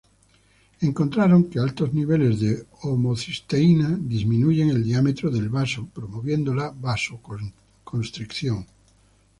Encontraron que altos niveles de homocisteína disminuyen el diámetro del vaso, promoviendo la vasoconstricción.